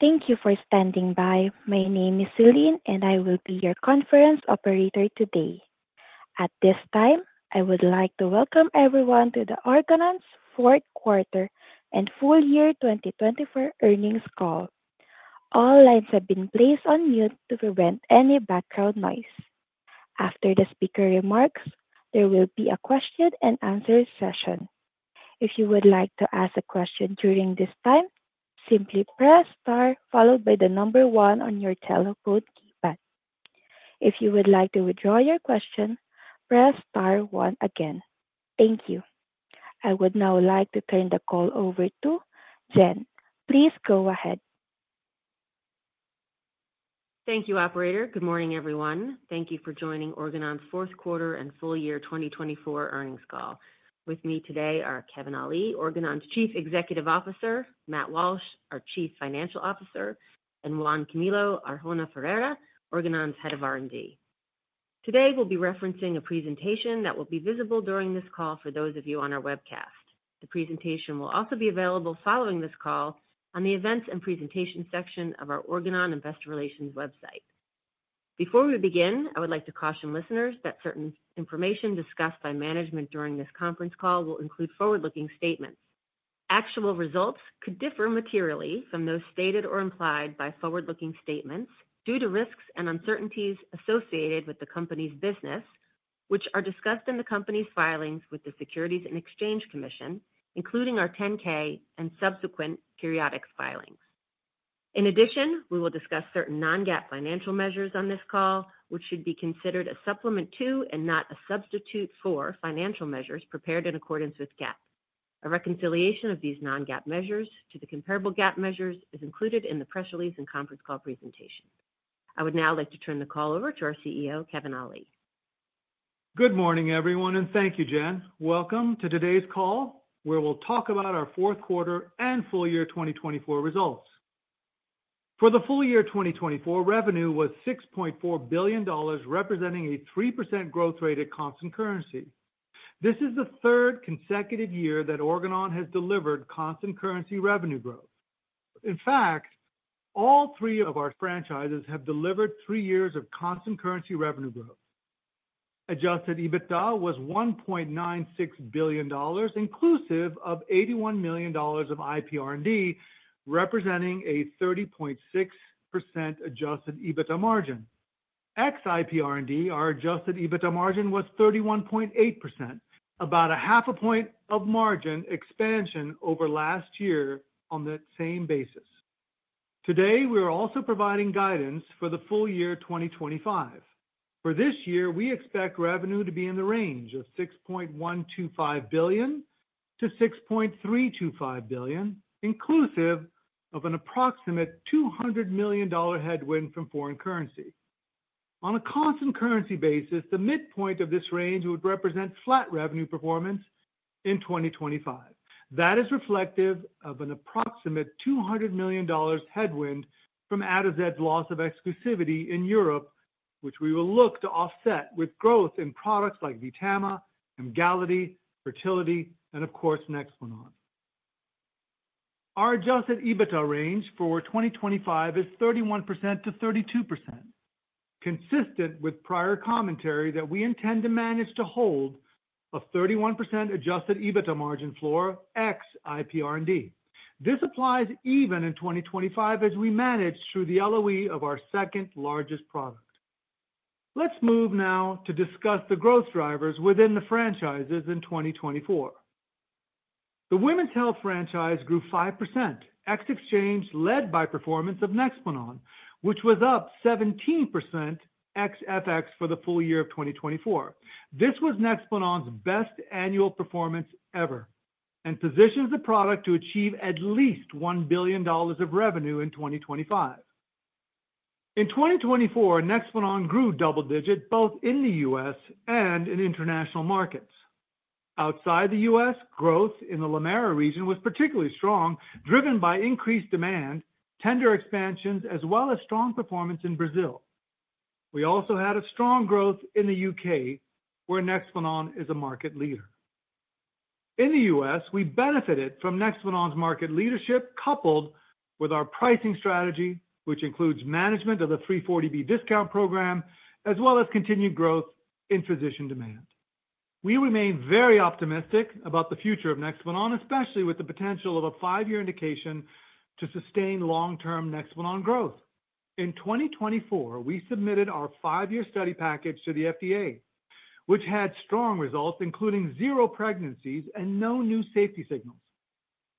Thank you for standing by. My name is Celine, and I will be your conference operator today. At this time, I would like to welcome everyone to the Organon's Fourth Quarter and Full Year 2024 Earnings Call. All lines have been placed on mute to prevent any background noise. After the speaker remarks, there will be a question-and-answer session. If you would like to ask a question during this time, simply press star, followed by the number one on your telephone keypad. If you would like to withdraw your question, press star one again. Thank you. I would now like to turn the call over to Jen. Please go ahead. Thank you, Operator. Good morning, everyone. Thank you for joining Organon's Fourth Quarter and Full Year 2024 Earnings Call. With me today are Kevin Ali, Organon's Chief Executive Officer, Matt Walsh, our Chief Financial Officer, and Juan Camilo Arjona Ferreira, Organon's Head of R&D. Today, we'll be referencing a presentation that will be visible during this call for those of you on our webcast. The presentation will also be available following this call on the Events and Presentations section of our Organon Investor Relations website. Before we begin, I would like to caution listeners that certain information discussed by management during this conference call will include forward-looking statements. Actual results could differ materially from those stated or implied by forward-looking statements due to risks and uncertainties associated with the company's business, which are discussed in the company's filings with the Securities and Exchange Commission, including our 10-K and subsequent periodic filings. In addition, we will discuss certain non-GAAP financial measures on this call, which should be considered a supplement to and not a substitute for financial measures prepared in accordance with GAAP. A reconciliation of these non-GAAP measures to the comparable GAAP measures is included in the press release and conference call presentation. I would now like to turn the call over to our CEO, Kevin Ali. Good morning, everyone, and thank you, Jen. Welcome to today's call, where we'll talk about our Fourth Quarter and Full Year 2024 results. For the Full Year 2024, revenue was $6.4 billion, representing a 3% growth rate at constant currency. This is the third consecutive year that Organon has delivered constant currency revenue growth. In fact, all three of our franchises have delivered three years of constant currency revenue growth. Adjusted EBITDA was $1.96 billion, inclusive of $81 million of IPR&D, representing a 30.6% adjusted EBITDA margin. Ex-IPR&D, our adjusted EBITDA margin was 31.8%, about a half a point of margin expansion over last year on that same basis. Today, we are also providing guidance for the Full Year 2025. For this year, we expect revenue to be in the range of $6.125 billion-$6.325 billion, inclusive of an approximate $200 million headwind from foreign currency. On a constant currency basis, the midpoint of this range would represent flat revenue performance in 2025. That is reflective of an approximate $200 million headwind from Atozet's loss of exclusivity in Europe, which we will look to offset with growth in products like Vtama, Emgality, Fertility, and of course, Nexplanon. Our adjusted EBITDA range for 2025 is 31%-32%, consistent with prior commentary that we intend to manage to hold a 31% adjusted EBITDA margin floor ex-IPR&D. This applies even in 2025 as we manage through the LOE of our second largest product. Let's move now to discuss the growth drivers within the franchises in 2024. The Women's Health franchise grew 5% ex-exchange led by performance of Nexplanon, which was up 17% ex-FX for the full year of 2024. This was Nexplanon's best annual performance ever and positions the product to achieve at least $1 billion of revenue in 2025. In 2024, Nexplanon grew double-digit both in the U.S. and in international markets. Outside the U.S., growth in the LAMERA region was particularly strong, driven by increased demand, tender expansions, as well as strong performance in Brazil. We also had a strong growth in the U.K., where Nexplanon is a market leader. In the U.S., we benefited from Nexplanon's market leadership, coupled with our pricing strategy, which includes management of the 340B discount program, as well as continued growth in physician demand. We remain very optimistic about the future of Nexplanon, especially with the potential of a five-year indication to sustain long-term Nexplanon growth. In 2024, we submitted our five-year study package to the FDA, which had strong results, including zero pregnancies and no new safety signals.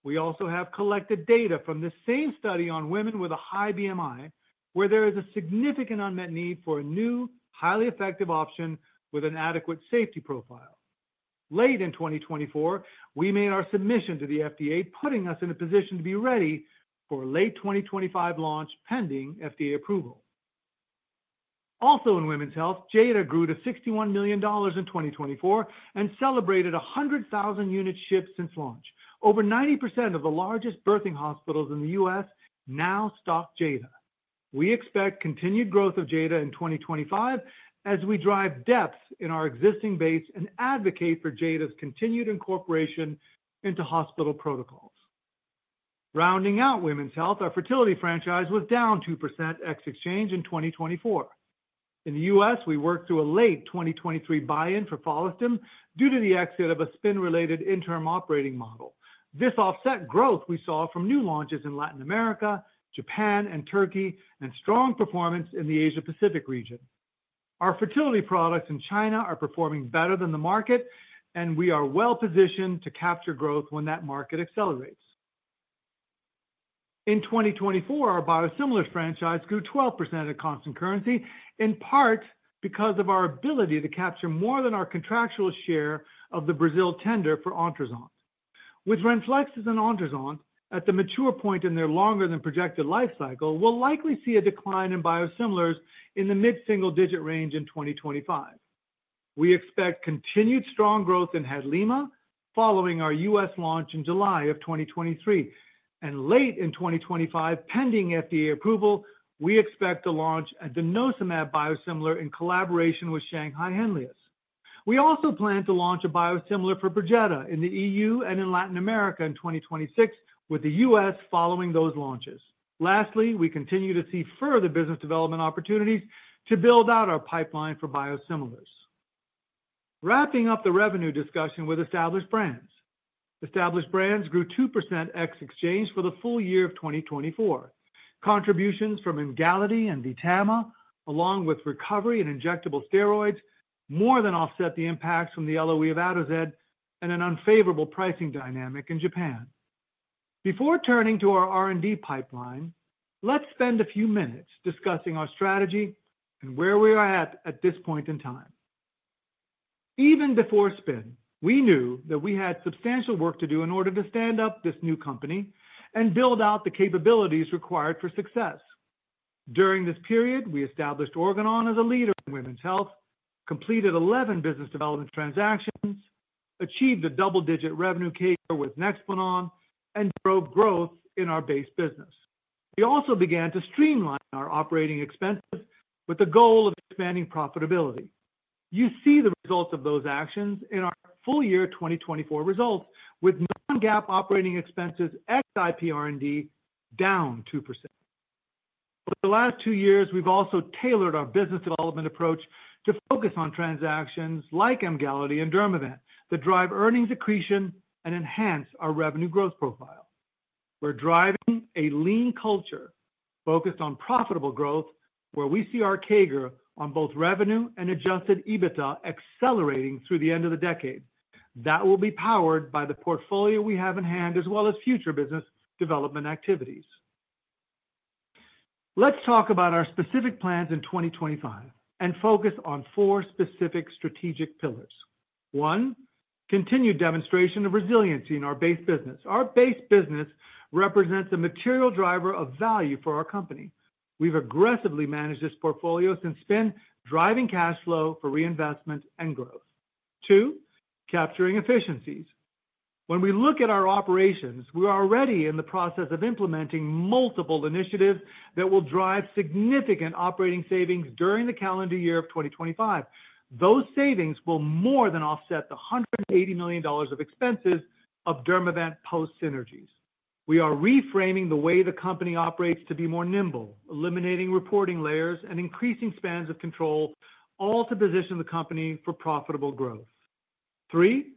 We also have collected data from the same study on women with a high BMI, where there is a significant unmet need for a new, highly effective option with an adequate safety profile. Late in 2024, we made our submission to the FDA, putting us in a position to be ready for a late 2025 launch pending FDA approval. Also, in Women's Health, Jada grew to $61 million in 2024 and celebrated 100,000 units shipped since launch. Over 90% of the largest birthing hospitals in the U.S. now stock Jada. We expect continued growth of Jada in 2025 as we drive depth in our existing base and advocate for Jada's continued incorporation into hospital protocols. Rounding out Women's Health, our Fertility franchise was down 2% ex-exchange in 2024. In the U.S., we worked through a late 2023 buy-in for Follistim due to the exit of a spin-related interim operating model. This offset growth we saw from new launches in Latin America, Japan, and Turkey, and strong performance in the Asia-Pacific region. Our fertility products in China are performing better than the market, and we are well-positioned to capture growth when that market accelerates. In 2024, our Biosimilars franchise grew 12% at constant currency, in part because of our ability to capture more than our contractual share of the Brazil tender for Ontruzant. With Renflexis and Ontruzant at the mature point in their longer-than-projected life cycle, we'll likely see a decline in Biosimilars in the mid-single-digit range in 2025. We expect continued strong growth in Hadlima following our U.S. launch in July of 2023. Late in 2025, pending FDA approval, we expect to launch a denosumab biosimilar in collaboration with Shanghai Henlius. We also plan to launch a biosimilar for Perjeta in the EU and in Latin America in 2026, with the U.S. following those launches. Lastly, we continue to see further business development opportunities to build out our pipeline for Biosimilars. Wrapping up the revenue discussion with Established Brands. Established Brands grew 2% ex-exchange for the full year of 2024. Contributions from Emgality and Vtama, along with recovery and injectable steroids, more than offset the impacts from the LOE of Atozet and an unfavorable pricing dynamic in Japan. Before turning to our R&D pipeline, let's spend a few minutes discussing our strategy and where we are at this point in time. Even before spin, we knew that we had substantial work to do in order to stand up this new company and build out the capabilities required for success. During this period, we established Organon as a leader in Women's Health, completed 11 business development transactions, achieved a double-digit revenue CAGR with Nexplanon, and drove growth in our base business. We also began to streamline our operating expenses with the goal of expanding profitability. You see the results of those actions in our Full Year 2024 results, with non-GAAP operating expenses ex-IPR&D down 2%. Over the last two years, we've also tailored our business development approach to focus on transactions like Emgality and Dermavant that drive earnings accretion and enhance our revenue growth profile. We're driving a lean culture focused on profitable growth, where we see our CAGR on both revenue and adjusted EBITDA accelerating through the end of the decade. That will be powered by the portfolio we have in hand, as well as future business development activities. Let's talk about our specific plans in 2025 and focus on four specific strategic pillars. One, continued demonstration of resiliency in our base business. Our base business represents a material driver of value for our company. We've aggressively managed this portfolio since spin, driving cash flow for reinvestment and growth. Two, capturing efficiencies. When we look at our operations, we are already in the process of implementing multiple initiatives that will drive significant operating savings during the calendar year of 2025. Those savings will more than offset the $180 million of expenses of Dermavant post-synergies. We are reframing the way the company operates to be more nimble, eliminating reporting layers and increasing spans of control, all to position the company for profitable growth. Three,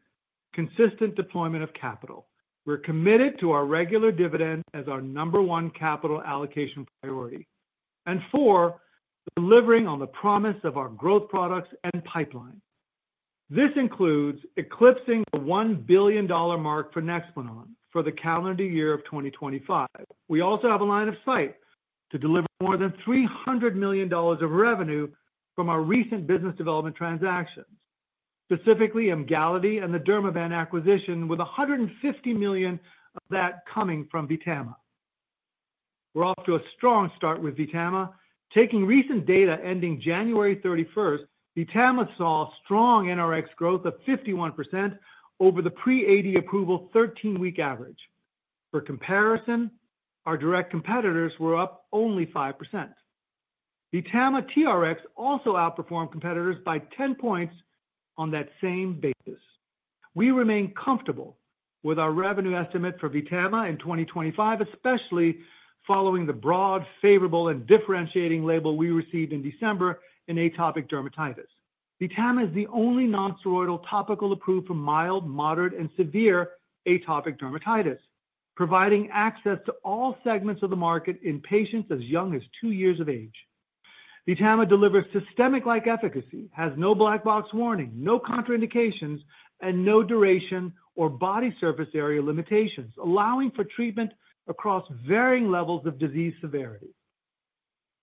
consistent deployment of capital. We're committed to our regular dividend as our number one capital allocation priority. And four, delivering on the promise of our growth products and pipeline. This includes eclipsing the $1 billion mark for Nexplanon for the calendar year of 2025. We also have a line of sight to deliver more than $300 million of revenue from our recent business development transactions, specifically Emgality and the Dermavant acquisition, with $150 million of that coming from Vtama. We're off to a strong start with Vtama. Taking recent data ending January 31st 2024, Vtama saw strong NRx growth of 51% over the pre-AD approval 13-week average. For comparison, our direct competitors were up only 5%. Vtama TRx also outperformed competitors by 10 points on that same basis. We remain comfortable with our revenue estimate for Vtama in 2025, especially following the broad, favorable, and differentiating label we received in December in atopic dermatitis. Vtama is the only nonsteroidal topical approved for mild, moderate, and severe atopic dermatitis, providing access to all segments of the market in patients as young as two years of age. Vtama delivers systemic-like efficacy, has no black box warning, no contraindications, and no duration or body surface area limitations, allowing for treatment across varying levels of disease severity.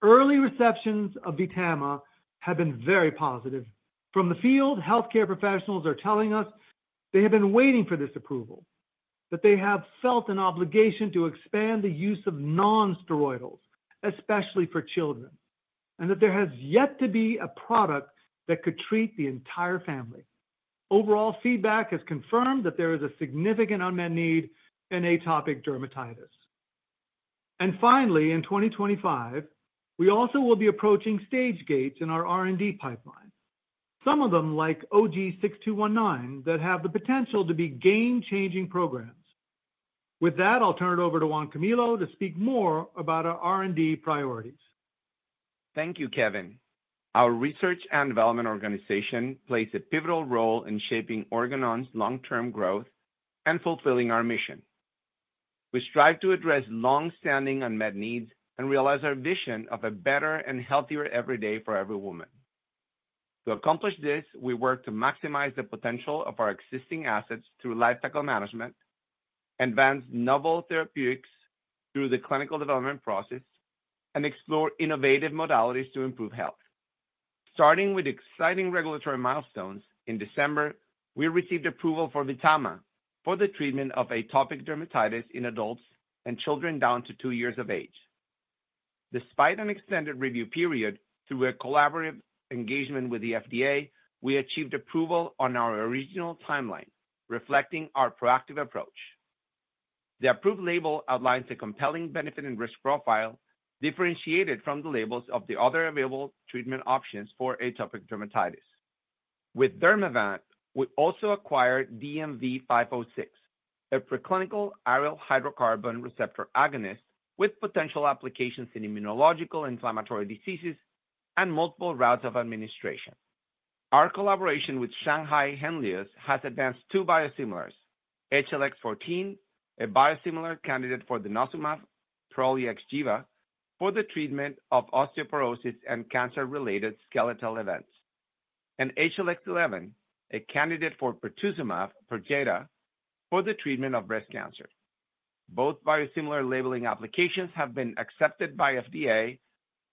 Early reception of Vtama has been very positive. From the field, healthcare professionals are telling us they have been waiting for this approval, that they have felt an obligation to expand the use of nonsteroidals, especially for children, and that there has yet to be a product that could treat the entire family. Overall feedback has confirmed that there is a significant unmet need in atopic dermatitis. Finally, in 2025, we also will be approaching stage gates in our R&D pipeline, some of them like OG-6219 that have the potential to be game-changing programs. With that, I'll turn it over to Juan Camilo to speak more about our R&D priorities. Thank you, Kevin. Our research and development organization plays a pivotal role in shaping Organon's long-term growth and fulfilling our mission. We strive to address long-standing unmet needs and realize our vision of a better and healthier everyday for every woman. To accomplish this, we work to maximize the potential of our existing assets through life cycle management, advance novel therapeutics through the clinical development process, and explore innovative modalities to improve health. Starting with exciting regulatory milestones, in December, we received approval for Vtama for the treatment of atopic dermatitis in adults and children down to two years of age. Despite an extended review period, through a collaborative engagement with the FDA, we achieved approval on our original timeline, reflecting our proactive approach. The approved label outlines a compelling benefit and risk profile differentiated from the labels of the other available treatment options for atopic dermatitis. With Dermavant, we also acquired DMVT-506, a preclinical aryl hydrocarbon receptor agonist with potential applications in immunological inflammatory diseases and multiple routes of administration. Our collaboration with Shanghai Henlius has advanced two Biosimilars: HLX-14, a biosimilar candidate for denosumab, Prolia/Xgeva for the treatment of osteoporosis and cancer-related skeletal events, and HLX-11, a candidate for pertuzumab, Perjeta, for the treatment of breast cancer. Both biosimilar labeling applications have been accepted by FDA,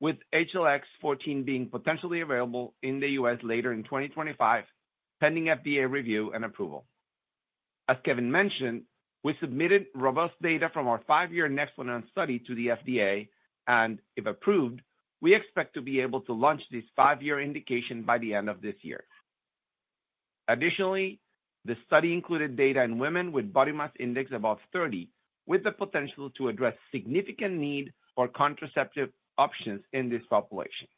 with HLX-14 being potentially available in the U.S. later in 2025, pending FDA review and approval. As Kevin mentioned, we submitted robust data from our five-year Nexplanon study to the FDA, and if approved, we expect to be able to launch this five-year indication by the end of this year. Additionally, the study included data in women with body mass index above 30, with the potential to address significant need for contraceptive options in this population.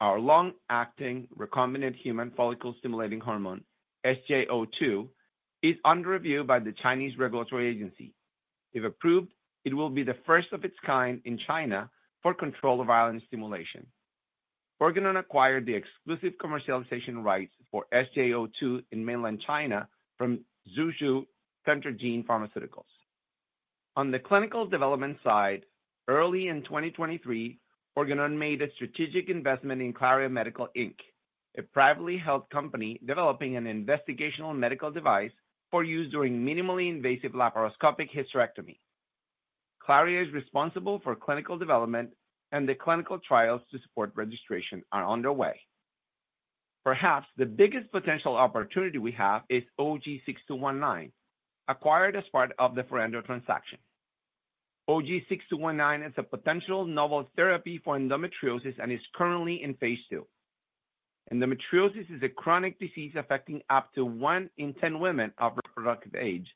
Our long-acting recombinant human follicle stimulating hormone, SJ02, is under review by the Chinese regulatory agency. If approved, it will be the first of its kind in China for controlled ovarian stimulation. Organon acquired the exclusive commercialization rights for SJ02 in Mainland China from Suzhou Centergene Pharmaceuticals. On the clinical development side, early in 2023, Organon made a strategic investment in Claria Medical Inc., a privately held company developing an investigational medical device for use during minimally invasive laparoscopic hysterectomy. Claria is responsible for clinical development, and the clinical trials to support registration are underway. Perhaps the biggest potential opportunity we have is OG-6219, acquired as part of the Forendo transaction. OG-6219 is a potential novel therapy for endometriosis and is currently in phase II. Endometriosis is a chronic disease affecting up to one in ten women of reproductive age.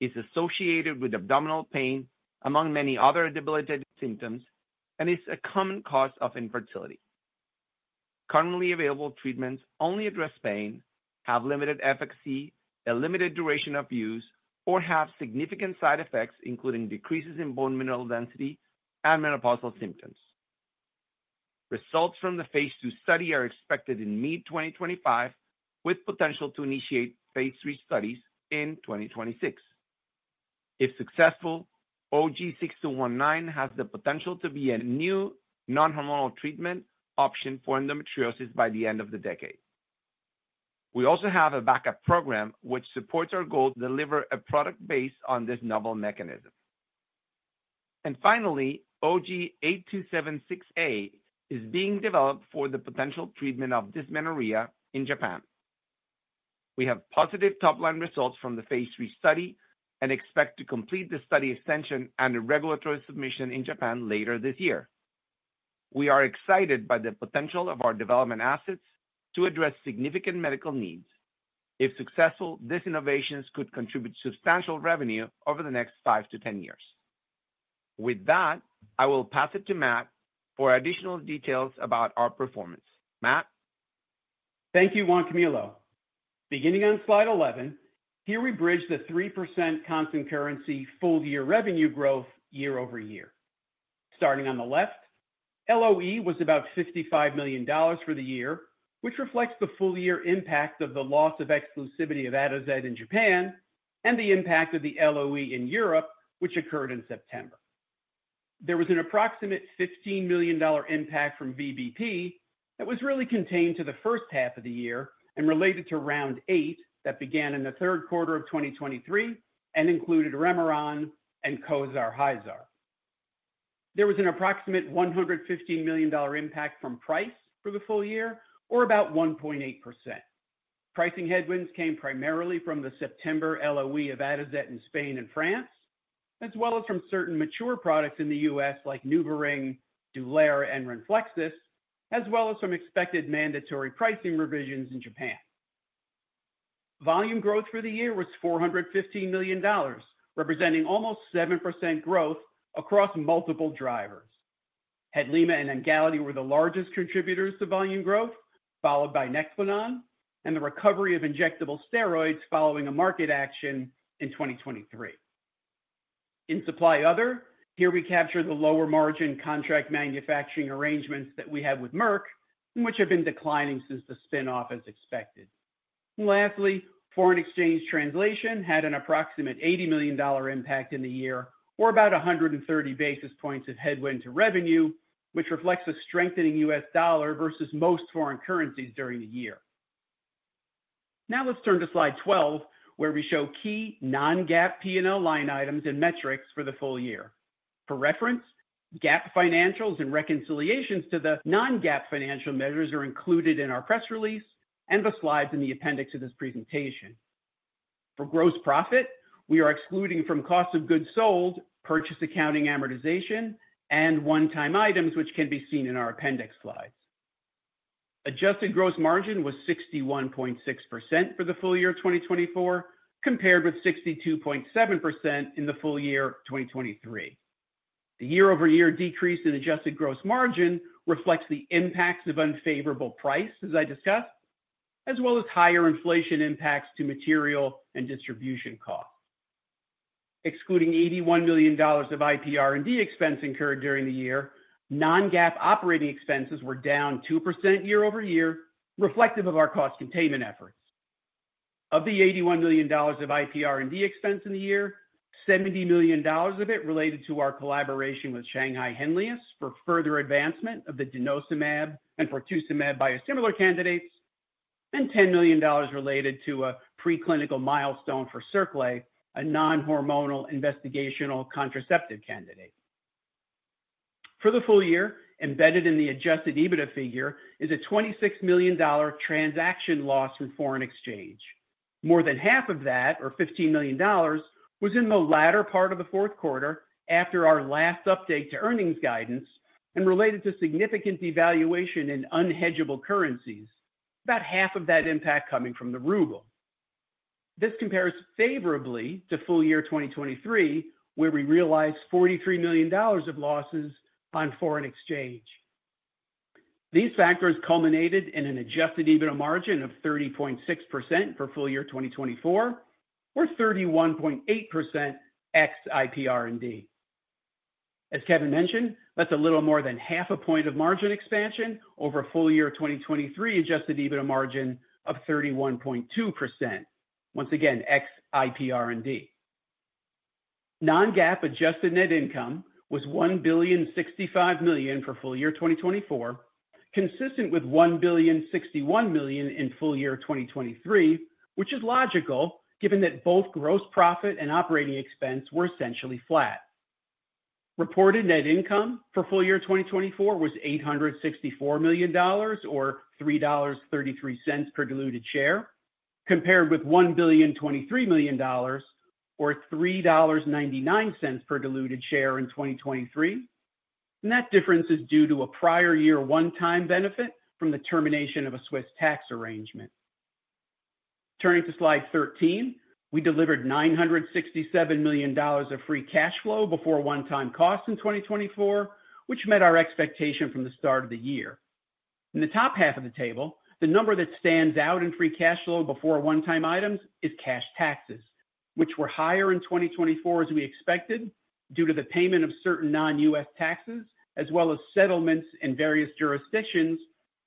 It is associated with abdominal pain, among many other debilitating symptoms, and is a common cause of infertility. Currently available treatments only address pain, have limited efficacy, a limited duration of use, or have significant side effects, including decreases in bone mineral density and menopausal symptoms. Results from the phase II study are expected in mid-2025, with potential to initiate phase III studies in 2026. If successful, OG-6219 has the potential to be a new non-hormonal treatment option for endometriosis by the end of the decade. We also have a backup program which supports our goal to deliver a product based on this novel mechanism. And finally, OG-8276A is being developed for the potential treatment of dysmenorrhea in Japan. We have positive top-line results from the phase III study and expect to complete the study extension and a regulatory submission in Japan later this year. We are excited by the potential of our development assets to address significant medical needs. If successful, these innovations could contribute substantial revenue over the next five to 10 years. With that, I will pass it to Matt for additional details about our performance. Matt? Thank you, Juan Camilo. Beginning on slide 11, here we bridge the 3% constant currency full-year revenue growth year over year. Starting on the left, LOE was about $55 million for the year, which reflects the full-year impact of the loss of exclusivity of Atozet in Japan and the impact of the LOE in Europe, which occurred in September. There was an approximate $15 million impact from VBP that was really contained to the first half of the year and related to Round 8 that began in the third quarter of 2023 and included Remeron and Cozaar/Hyzaar. There was an approximate $115 million impact from price for the full year, or about 1.8%. Pricing headwinds came primarily from the September LOE of Atozet in Spain and France, as well as from certain mature products in the U.S., like NuvaRing, Dulera, and Renflexis, as well as from expected mandatory pricing revisions in Japan. Volume growth for the year was $415 million, representing almost 7% growth across multiple drivers. Hadlima and Emgality were the largest contributors to volume growth, followed by Nexplanon and the recovery of injectable steroids following a market action in 2023. In supply other, here we capture the lower margin contract manufacturing arrangements that we have with Merck, which have been declining since the spinoff, as expected. Lastly, foreign exchange translation had an approximate $80 million impact in the year, or about 130 basis points of headwind to revenue, which reflects a strengthening U.S. dollar versus most foreign currencies during the year. Now let's turn to slide 12, where we show key non-GAAP P&L line items and metrics for the full year. For reference, GAAP financials and reconciliations to the non-GAAP financial measures are included in our press release and the slides in the appendix of this presentation. For gross profit, we are excluding from cost of goods sold, purchase accounting amortization, and one-time items, which can be seen in our appendix slides. Adjusted gross margin was 61.6% for the full year of 2024, compared with 62.7% in the full year of 2023. The year-over-year decrease in adjusted gross margin reflects the impacts of unfavorable price, as I discussed, as well as higher inflation impacts to material and distribution costs. Excluding $81 million of IPR&D expense incurred during the year, non-GAAP operating expenses were down 2% year-over-year, reflective of our cost containment efforts. Of the $81 million of IPR&D expense in the year, $70 million of it related to our collaboration with Shanghai Henlius for further advancement of the denosumab and pertuzumab biosimilar candidates, and $10 million related to a preclinical milestone for Cirqle, a non-hormonal investigational contraceptive candidate. For the full year, embedded in the adjusted EBITDA figure is a $26 million transaction loss in foreign exchange. More than half of that, or $15 million, was in the latter part of the fourth quarter after our last update to earnings guidance and related to significant devaluation in unhedgeable currencies, about half of that impact coming from the ruble. This compares favorably to full year 2023, where we realized $43 million of losses on foreign exchange. These factors culminated in an adjusted EBITDA margin of 30.6% for full year 2024, or 31.8% ex-IPR&D. As Kevin mentioned, that's a little more than half a point of margin expansion over full year 2023, adjusted EBITDA margin of 31.2%, once again ex-IPR&D. Non-GAAP adjusted net income was $1,065 million for full year 2024, consistent with $1,061 million in full year 2023, which is logical given that both gross profit and operating expense were essentially flat. Reported net income for full year 2024 was $864 million, or $3.33 per diluted share, compared with $1,023 million, or $3.99 per diluted share in 2023. That difference is due to a prior year one-time benefit from the termination of a Swiss tax arrangement. Turning to slide 13, we delivered $967 million of free cash flow before one-time costs in 2024, which met our expectation from the start of the year. In the top half of the table, the number that stands out in free cash flow before one-time items is cash taxes, which were higher in 2024 as we expected due to the payment of certain non-U.S. taxes, as well as settlements in various jurisdictions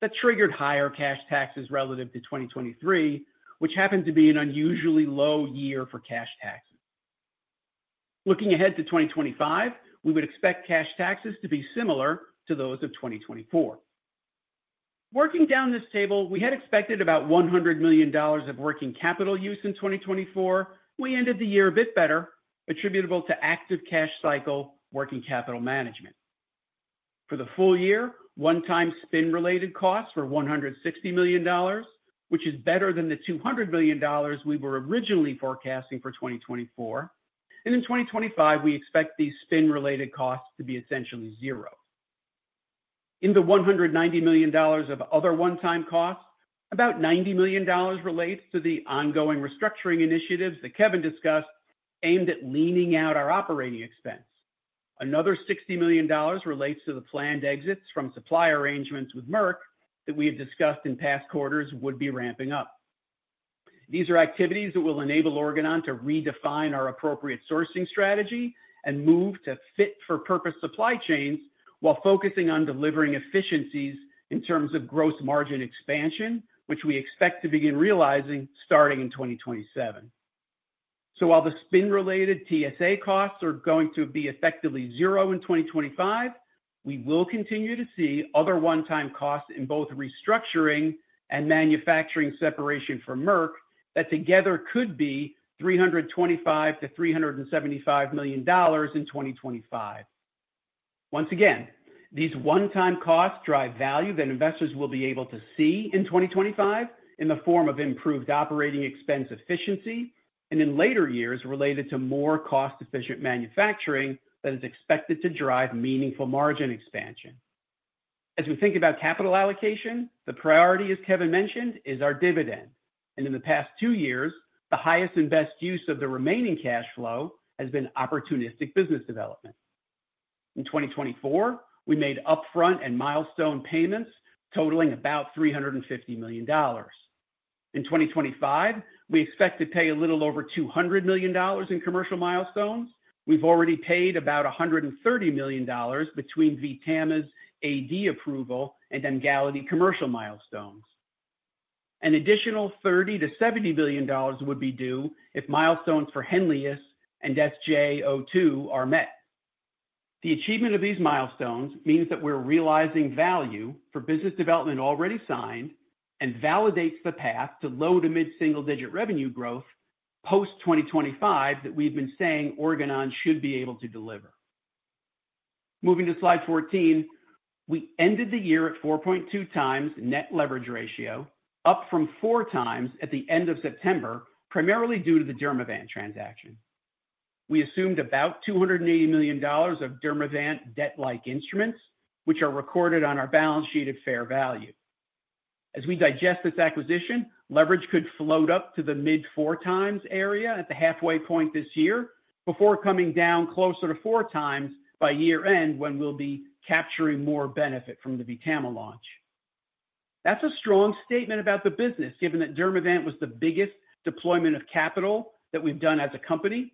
that triggered higher cash taxes relative to 2023, which happened to be an unusually low year for cash taxes. Looking ahead to 2025, we would expect cash taxes to be similar to those of 2024. Working down this table, we had expected about $100 million of working capital use in 2024. We ended the year a bit better, attributable to active cash cycle working capital management. For the full year, one-time spin-related costs were $160 million, which is better than the $200 million we were originally forecasting for 2024, and in 2025, we expect these spin-related costs to be essentially zero. In the $190 million of other one-time costs, about $90 million relates to the ongoing restructuring initiatives that Kevin discussed, aimed at leaning out our operating expense. Another $60 million relates to the planned exits from supply arrangements with Merck that we had discussed in past quarters would be ramping up. These are activities that will enable Organon to redefine our appropriate sourcing strategy and move to fit-for-purpose supply chains while focusing on delivering efficiencies in terms of gross margin expansion, which we expect to begin realizing starting in 2027. So while the spin-related TSA costs are going to be effectively zero in 2025, we will continue to see other one-time costs in both restructuring and manufacturing separation for Merck that together could be $325 million-$375 million in 2025. Once again, these one-time costs drive value that investors will be able to see in 2025 in the form of improved operating expense efficiency and in later years related to more cost-efficient manufacturing that is expected to drive meaningful margin expansion. As we think about capital allocation, the priority, as Kevin mentioned, is our dividend. And in the past two years, the highest and best use of the remaining cash flow has been opportunistic business development. In 2024, we made upfront and milestone payments totaling about $350 million. In 2025, we expect to pay a little over $200 million in commercial milestones. We've already paid about $130 million between Vtama's AD approval and Emgality commercial milestones. An additional $30 million-$70 million would be due if milestones for Henlius and SJ02 are met. The achievement of these milestones means that we're realizing value for business development already signed and validates the path to low- to mid-single-digit revenue growth post-2025 that we've been saying Organon should be able to deliver. Moving to slide 14, we ended the year at 4.2 times net leverage ratio, up from four times at the end of September, primarily due to the Dermavant transaction. We assumed about $280 million of Dermavant debt-like instruments, which are recorded on our balance sheet at fair value. As we digest this acquisition, leverage could float up to the mid-four times area at the halfway point this year before coming down closer to four times by year-end when we'll be capturing more benefit from the Vtama launch. That's a strong statement about the business, given that Dermavant was the biggest deployment of capital that we've done as a company.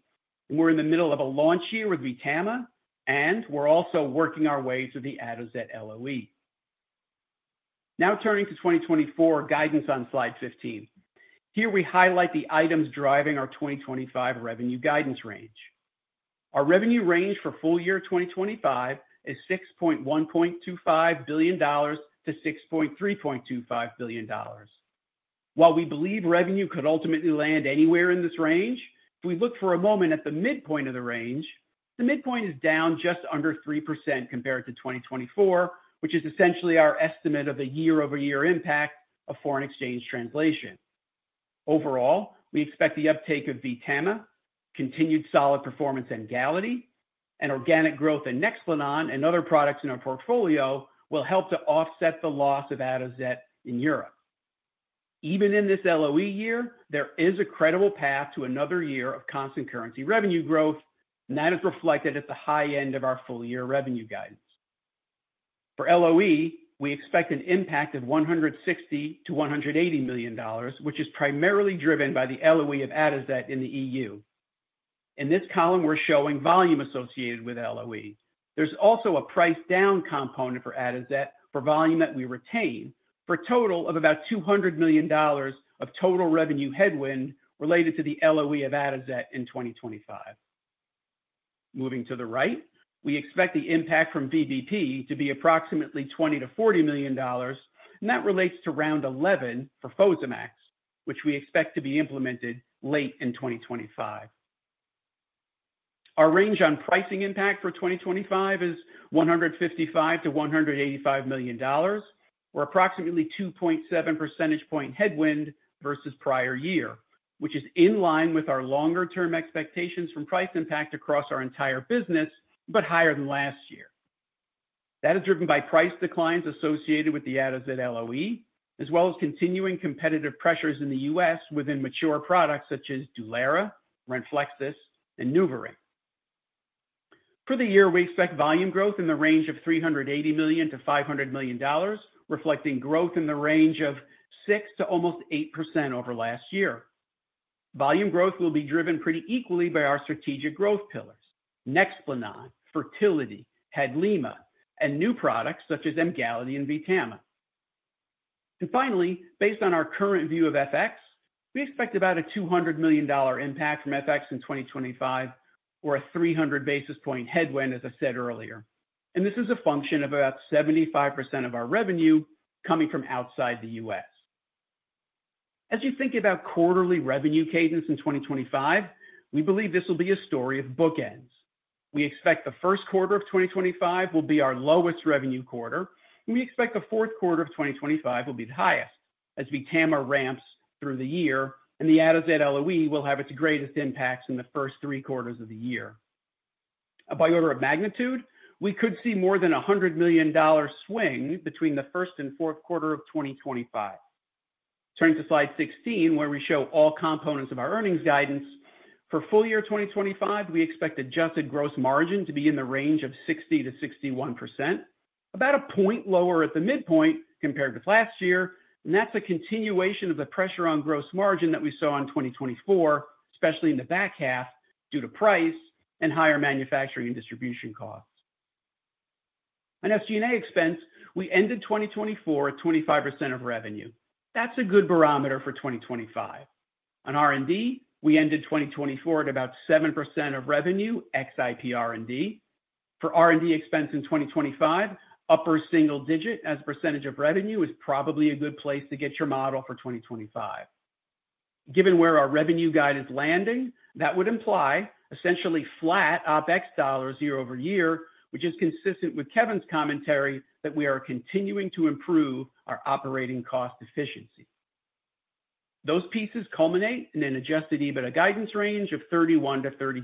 And we're in the middle of a launch year with Vtama, and we're also working our way to the Atozet LOE. Now turning to 2024 guidance on slide 15. Here we highlight the items driving our 2025 revenue guidance range. Our revenue range for full year 2025 is $6.125 billion-$6.325 billion. While we believe revenue could ultimately land anywhere in this range, if we look for a moment at the midpoint of the range, the midpoint is down just under 3% compared to 2024, which is essentially our estimate of the year-over-year impact of foreign exchange translation. Overall, we expect the uptake of Vtama, continued solid performance Emgality, and organic growth in Nexplanon and other products in our portfolio will help to offset the loss of Atozet in Europe. Even in this LOE year, there is a credible path to another year of constant currency revenue growth, and that is reflected at the high end of our full year revenue guidance. For LOE, we expect an impact of $160 million-$180 million, which is primarily driven by the LOE of Atozet in the EU. In this column, we're showing volume associated with LOE. There's also a price down component for Atozet for volume that we retain for a total of about $200 million of total revenue headwind related to the LOE of Atozet in 2025. Moving to the right, we expect the impact from VBP to be approximately $20 million-$40 million, and that relates to Round 11 for Fosamax, which we expect to be implemented late in 2025. Our range on pricing impact for 2025 is $155 million-$185 million, or approximately 2.7 percentage point headwind versus prior year, which is in line with our longer-term expectations from price impact across our entire business, but higher than last year. That is driven by price declines associated with the Atozet LOE, as well as continuing competitive pressures in the U.S. within mature products such as Dulera, Renflexis, and NuvaRing. For the year, we expect volume growth in the range of $380 million-$500 million, reflecting growth in the range of 6% to almost 8% over last year. Volume growth will be driven pretty equally by our strategic growth pillars: Nexplanon, Fertility, Hadlima, and new products such as Emgality and Vtama. And finally, based on our current view of FX, we expect about a $200 million impact from FX in 2025, or a 300 basis point headwind, as I said earlier. And this is a function of about 75% of our revenue coming from outside the U.S. As you think about quarterly revenue cadence in 2025, we believe this will be a story of bookends. We expect the first quarter of 2025 will be our lowest revenue quarter, and we expect the fourth quarter of 2025 will be the highest, as Vtama ramps through the year, and the Atozet LOE will have its greatest impacts in the first three quarters of the year. By order of magnitude, we could see more than $100 million swing between the first and fourth quarter of 2025. Turning to slide 16, where we show all components of our earnings guidance, for full year 2025, we expect adjusted gross margin to be in the range of 60%-61%, about a point lower at the midpoint compared with last year, and that's a continuation of the pressure on gross margin that we saw in 2024, especially in the back half due to price and higher manufacturing and distribution costs. On SG&A expense, we ended 2024 at 25% of revenue. That's a good barometer for 2025. On R&D, we ended 2024 at about 7% of revenue, ex-IPR&D. For R&D expense in 2025, upper single digit as a percentage of revenue is probably a good place to get your model for 2025. Given where our revenue guide is landing, that would imply essentially flat OpEx dollars year-over-year, which is consistent with Kevin's commentary that we are continuing to improve our operating cost efficiency. Those pieces culminate in an adjusted EBITDA guidance range of 31%-32%.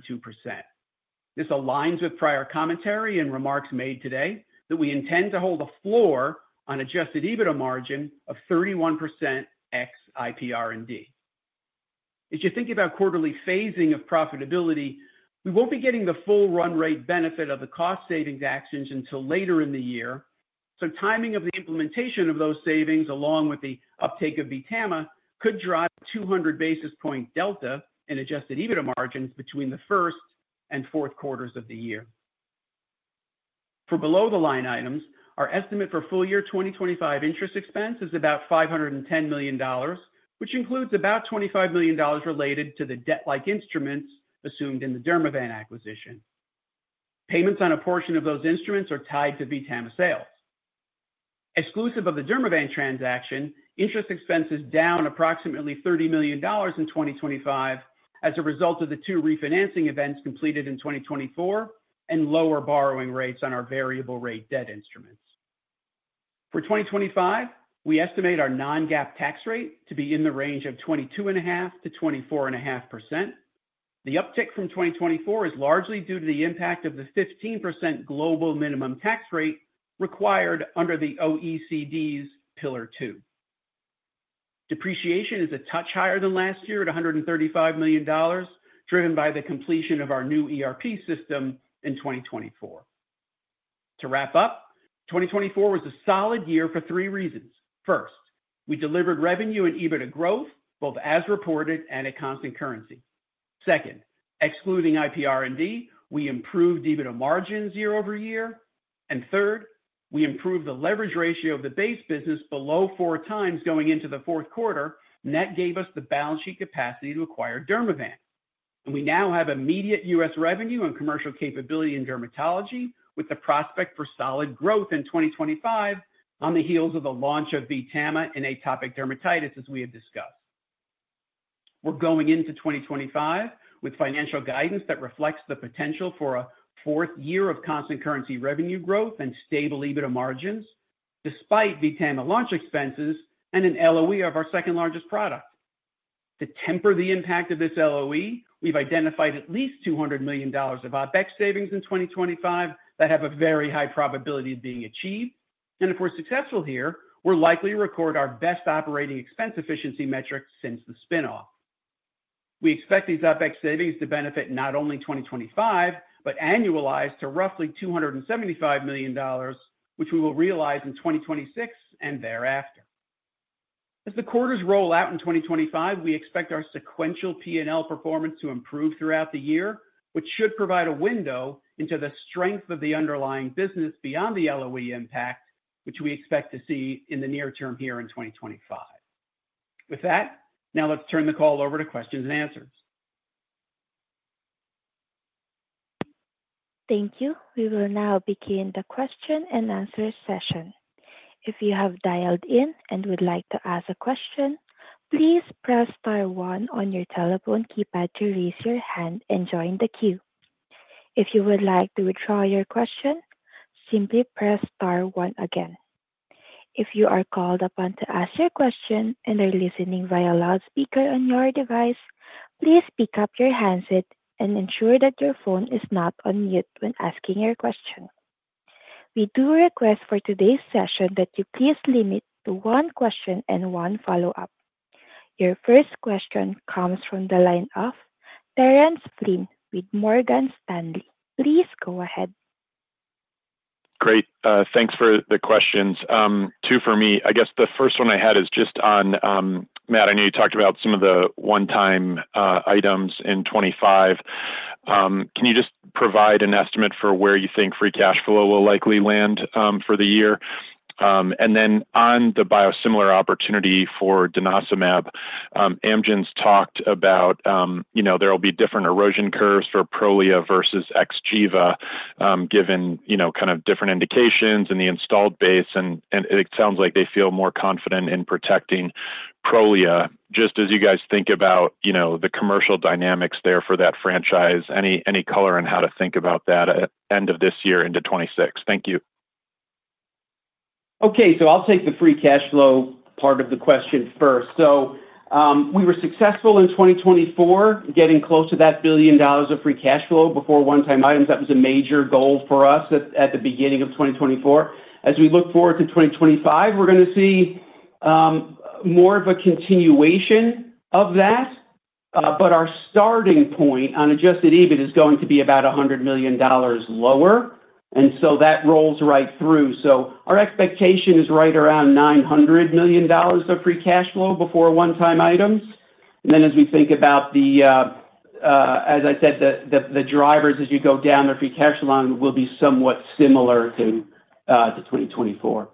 This aligns with prior commentary and remarks made today that we intend to hold a floor on adjusted EBITDA margin of 31% ex-IPR&D. As you think about quarterly phasing of profitability, we won't be getting the full run rate benefit of the cost savings actions until later in the year. So timing of the implementation of those savings, along with the uptake of Vtama, could drive 200 basis point delta in adjusted EBITDA margins between the first and fourth quarters of the year. For below-the-line items, our estimate for full year 2025 interest expense is about $510 million, which includes about $25 million related to the debt-like instruments assumed in the Dermavant acquisition. Payments on a portion of those instruments are tied to Vtama sales. Exclusive of the Dermavant transaction, interest expense is down approximately $30 million in 2025 as a result of the two refinancing events completed in 2024 and lower borrowing rates on our variable-rate debt instruments. For 2025, we estimate our non-GAAP tax rate to be in the range of 22.5%-24.5%. The uptick from 2024 is largely due to the impact of the 15% global minimum tax rate required under the OECD Pillar Two. Depreciation is a touch higher than last year at $135 million, driven by the completion of our new ERP system in 2024. To wrap up, 2024 was a solid year for three reasons. First, we delivered revenue and EBITDA growth, both as reported and at constant currency. Second, excluding IPR&D, we improved EBITDA margins year over year. And third, we improved the leverage ratio of the base business below four times going into the fourth quarter, and that gave us the balance sheet capacity to acquire Dermavant. And we now have immediate U.S. revenue and commercial capability in dermatology, with the prospect for solid growth in 2025 on the heels of the launch of Vtama and atopic dermatitis, as we have discussed. We're going into 2025 with financial guidance that reflects the potential for a fourth year of constant currency revenue growth and stable EBITDA margins, despite Vtama launch expenses and an LOE of our second largest product. To temper the impact of this LOE, we've identified at least $200 million of OpEx savings in 2025 that have a very high probability of being achieved. And if we're successful here, we're likely to record our best operating expense efficiency metrics since the spinoff. We expect these OpEx savings to benefit not only 2025, but annualized to roughly $275 million, which we will realize in 2026 and thereafter. As the quarters roll out in 2025, we expect our sequential P&L performance to improve throughout the year, which should provide a window into the strength of the underlying business beyond the LOE impact, which we expect to see in the near term here in 2025. With that, now let's turn the call over to questions and answers. Thank you. We will now begin the question and answer session. If you have dialed in and would like to ask a question, please press star one on your telephone keypad to raise your hand and join the queue. If you would like to withdraw your question, simply press star one again. If you are called upon to ask your question and are listening via loudspeaker on your device, please pick up your handset and ensure that your phone is not on mute when asking your question. We do request for today's session that you please limit to one question and one follow-up. Your first question comes from the line of Terence Flynn with Morgan Stanley. Please go ahead. Great. Thanks for the questions. Two for me. I guess the first one I had is just on Matt. I know you talked about some of the one-time items in 2025. Can you just provide an estimate for where you think free cash flow will likely land for the year? And then on the biosimilar opportunity for denosumab, Amgen's talked about there will be different erosion curves for Prolia versus Xgeva, given kind of different indications and the installed base. And it sounds like they feel more confident in protecting Prolia. Just as you guys think about the commercial dynamics there for that franchise, any color on how to think about that at the end of this year into 2026? Thank you. Okay. So I'll take the free cash flow part of the question first. So we were successful in 2024, getting close to $1 billion of free cash flow before one-time items. That was a major goal for us at the beginning of 2024. As we look forward to 2025, we're going to see more of a continuation of that. But our starting point on adjusted EBITDA is going to be about $100 million lower. And so that rolls right through. So our expectation is right around $900 million of free cash flow before one-time items. And then as we think about the, as I said, the drivers as you go down the free cash flow will be somewhat similar to 2024.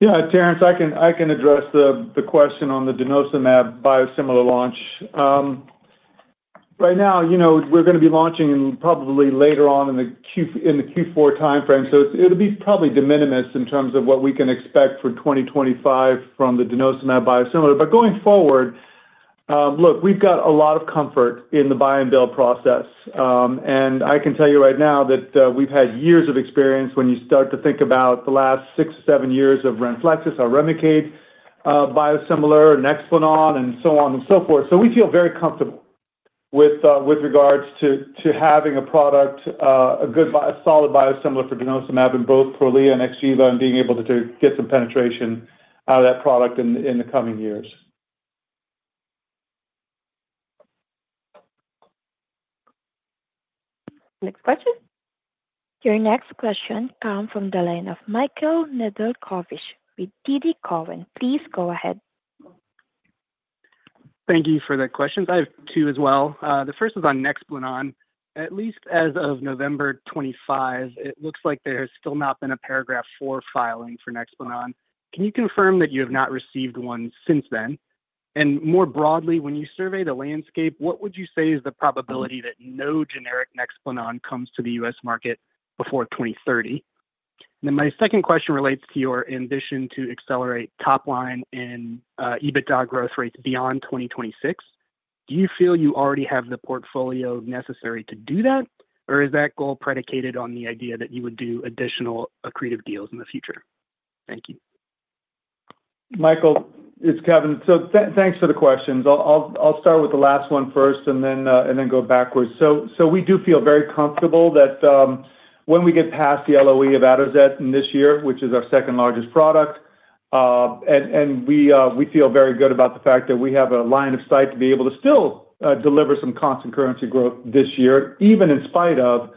Yeah. Terence, I can address the question on the denosumab biosimilar launch. Right now, we're going to be launching probably later on in the Q4 timeframe. So it'll be probably de minimis in terms of what we can expect for 2025 from the denosumab biosimilar. But going forward, look, we've got a lot of comfort in the buy-and-bill process. And I can tell you right now that we've had years of experience when you start to think about the last six or seven years of Renflexis, our Remicade biosimilar, Nexplanon, and so on and so forth. So we feel very comfortable with regards to having a product, a good solid biosimilar for denosumab in both Prolia and Xgeva, and being able to get some penetration out of that product in the coming years. Next question. Your next question comes from the line of Michael Nedelcovych with TD Cowen. Please go ahead. Thank you for the questions. I have two as well. The first is on Nexplanon. At least as of November 2025, it looks like there has still not been a Paragraph IV filing for Nexplanon. Can you confirm that you have not received one since then? And more broadly, when you survey the landscape, what would you say is the probability that no generic Nexplanon comes to the U.S. market before 2030? And then my second question relates to your ambition to accelerate top-line and EBITDA growth rates beyond 2026. Do you feel you already have the portfolio necessary to do that, or is that goal predicated on the idea that you would do additional accretive deals in the future? Thank you. Michael, it's Kevin. So thanks for the questions. I'll start with the last one first and then go backwards. So we do feel very comfortable that when we get past the LOE of Atozet in this year, which is our second largest product, and we feel very good about the fact that we have a line of sight to be able to still deliver some constant currency growth this year, even in spite of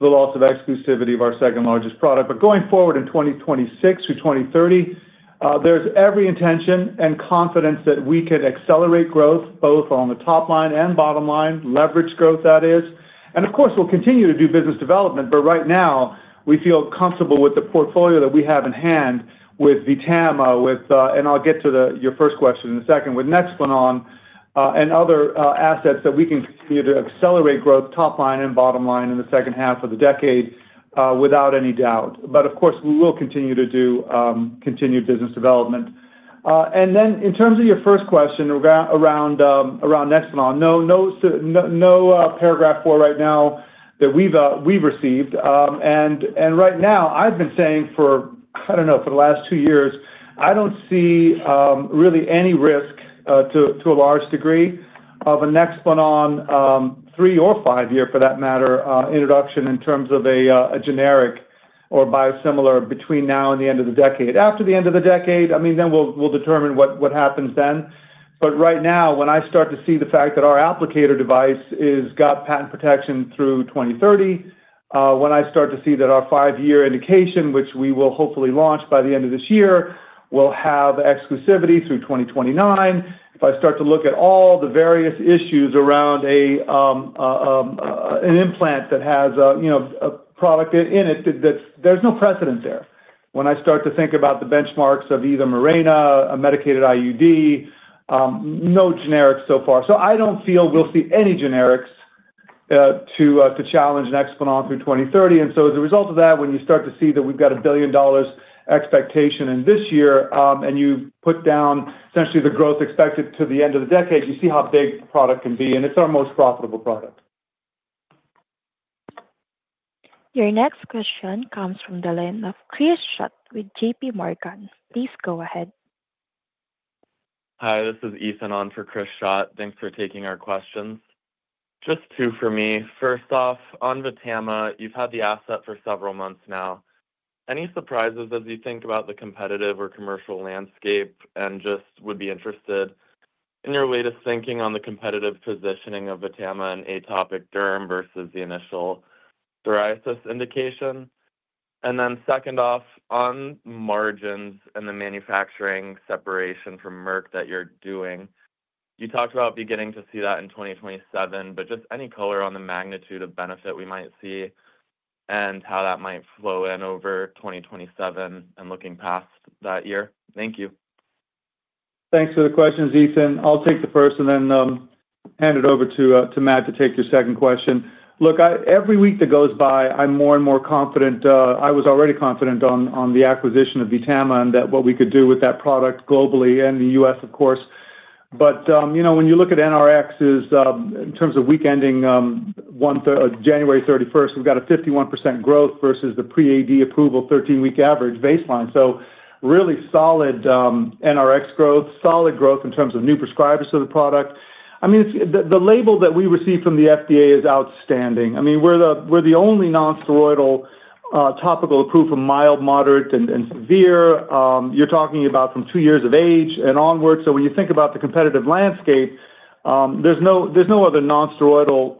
the loss of exclusivity of our second largest product. But going forward in 2026 through 2030, there's every intention and confidence that we can accelerate growth, both on the top line and bottom line, leverage growth, that is. Of course, we'll continue to do business development, but right now, we feel comfortable with the portfolio that we have in hand with Vtama, with, and I'll get to your first question in a second, with Nexplanon and other assets that we can continue to accelerate growth, top line and bottom line in the second half of the decade, without any doubt. But of course, we will continue to do continued business development. And then in terms of your first question around Nexplanon, no Paragraph IV right now that we've received. And right now, I've been saying, I don't know, for the last two years, I don't see really any risk to a large degree of a Nexplanon three-year or five-year, for that matter, introduction in terms of a generic or biosimilar between now and the end of the decade. After the end of the decade, I mean, then we'll determine what happens then. But right now, when I start to see the fact that our applicator device has got patent protection through 2030, when I start to see that our five-year indication, which we will hopefully launch by the end of this year, will have exclusivity through 2029, if I start to look at all the various issues around an implant that has a product in it, there's no precedent there. When I start to think about the benchmarks of either Mirena, a medicated IUD, no generics so far. So I don't feel we'll see any generics to challenge Nexplanon through 2030. And so as a result of that, when you start to see that we've got a $1 billion expectation in this year, and you put down essentially the growth expected to the end of the decade, you see how big the product can be. And it's our most profitable product. Your next question comes from the line of Kris Schott with JPMorgan. Please go ahead. Hi. This is Ethan on for Kris Schott. Thanks for taking our questions. Just two for me. First off, on Vtama, you've had the asset for several months now. Any surprises as you think about the competitive or commercial landscape and just would be interested in your latest thinking on the competitive positioning of Vtama and atopic derm versus the initial psoriasis indication? Then, second off, on margins and the manufacturing separation from Merck that you're doing, you talked about beginning to see that in 2027, but just any color on the magnitude of benefit we might see and how that might flow in over 2027 and looking past that year? Thank you. Thanks for the questions, Ethan. I'll take the first and then hand it over to Matt to take your second question. Look, every week that goes by, I'm more and more confident. I was already confident on the acquisition of Vtama and what we could do with that product globally and the U.S., of course. But when you look at NRxs in terms of week ending January 31st 2024, we've got a 51% growth versus the pre-FDA approval 13-week average baseline. So really solid NRx growth, solid growth in terms of new prescribers to the product. I mean, the label that we received from the FDA is outstanding. I mean, we're the only nonsteroidal topical approved for mild, moderate, and severe. You're talking about from two years of age and onward. So when you think about the competitive landscape, there's no other nonsteroidal